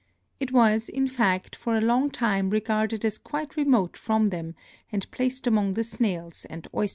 It was, in fact, for a long time regarded as quite remote from them and placed among the snails and oysters.